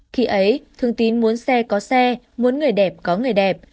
khi ấy thương tín muốn xe có xe muốn người đẹp có người đẹp